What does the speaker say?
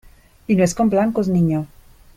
¡ y no es con blancos, niño!